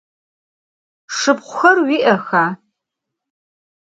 Şşıpxhuxer vui'exa?